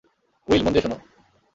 Will, মন দিয়ে শোনো।